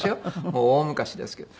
もう大昔ですけど。